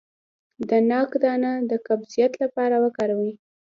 د ناک دانه د قبضیت لپاره وکاروئ